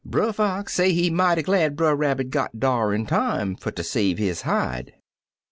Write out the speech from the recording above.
Brer Fox say he mighty glad Brer Rabbit got dar in time fer ter save his hide.